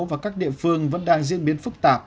và các địa phương vẫn đang diễn biến phức tạp